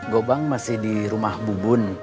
gobang masih di rumah bubun